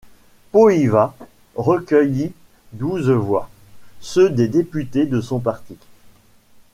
Pohiva recueillit douze voix, ceux des députés de son parti.